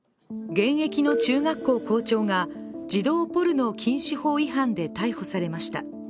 現役の中学校校長が児童ポルノ禁止法違反で逮捕されました。